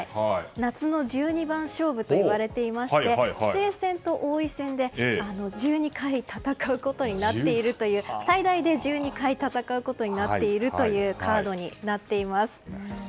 夏の１２番勝負といわれていまして棋聖戦と王位戦で最大で１２回戦うことになっているというカードになっています。